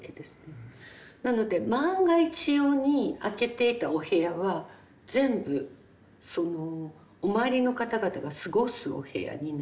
なので万が一用に空けていたお部屋は全部そのお参りの方々が過ごすお部屋になり